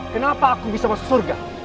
kenapa aku bisa masuk surga